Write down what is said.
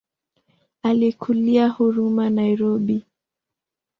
Alikulia Huruma Nairobi.